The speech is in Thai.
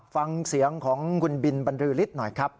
ฟังเสียงของคุณบินบรรลือฤทธิ์หน่อยครับ